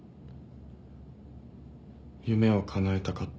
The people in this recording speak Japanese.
夢をかなえたかった。